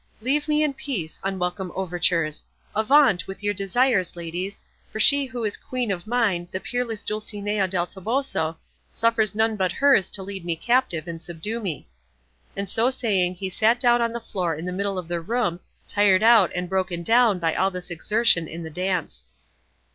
Leave me in peace, unwelcome overtures; avaunt, with your desires, ladies, for she who is queen of mine, the peerless Dulcinea del Toboso, suffers none but hers to lead me captive and subdue me;" and so saying he sat down on the floor in the middle of the room, tired out and broken down by all this exertion in the dance.